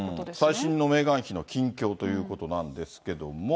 最新のメーガン妃の近況ということなんですけども。